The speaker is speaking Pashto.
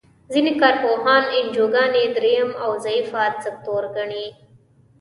ځینې کار پوهان انجوګانې دریم او ضعیفه سکتور ګڼي.